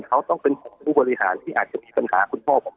เขาต้องเป็นผู้บริหารที่อาจจะมีปัญหาคุณพ่อผม